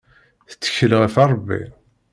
Tettkel ɣef Rebbi.